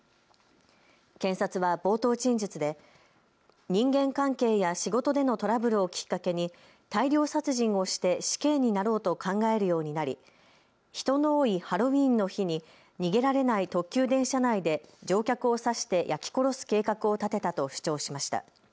検察は冒頭陳述で人間関係や仕事でのトラブルをきっかけに大量殺人をして死刑になろうと考えるようになり人の多いハロウィーンの日に逃げられない特急電車内で乗客を刺して焼き殺す計画を立てたと主張しました。